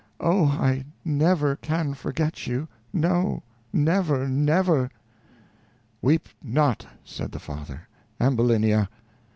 Oh, I never can forget you; no, never, never!" "Weep not," said the father, "Ambulinia.